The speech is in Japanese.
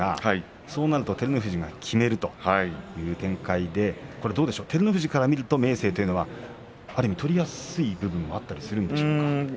そうなると照ノ富士がきめるという展開で照ノ富士から見ると明生はある意味取りやすい部分があったりしますか。